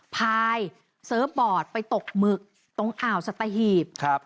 พายเซิร์ฟบอร์ดไปตกหมึกตรงอ่าวสัตหีบ